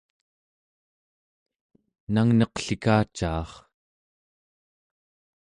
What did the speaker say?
nangneqlikacaar